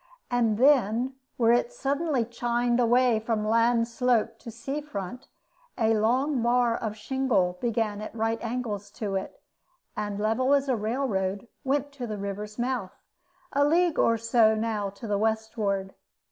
And then, where it suddenly chined away from land slope into sea front, a long bar of shingle began at right angles to it, and, as level as a railroad, went to the river's mouth, a league or so now to the westward.